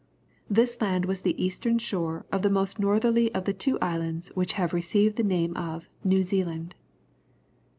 This land was the eastern shore of the most northerly of the two islands which have received the name of New Zealand.